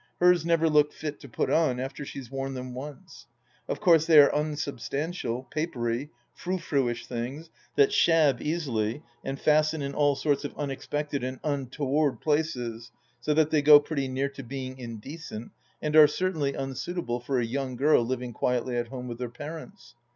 Hers never look fit to put on after she has worn them once. Of course they are unsubstantial, papery, frou frouish things that " shab " easily and fasten in all sorts of imexpected and untoward places, so that they go pretty near to being indecent, and are certainly unsuitable for a young girl living quietly at home with her parents.